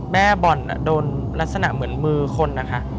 บ่อนโดนลักษณะเหมือนมือคนนะคะ